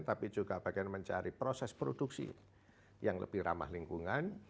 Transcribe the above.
tapi juga bagian mencari proses produksi yang lebih ramah lingkungan